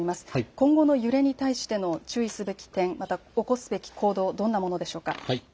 今後の揺れに対しての注意すべき点、また起こすべき行動、どんなものでしょうか。